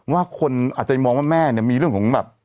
ว่าคนอาจจะมองว่าแม่เนี่ยมีเรื่องของแบบ